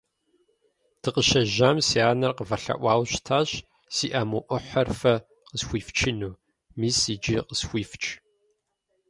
Дыкъыщежьэм си анэр къывэлъэӀуауэ щытащ си аму Ӏыхьэр фэ къысхуифчыну. Мис иджы къысхуифч.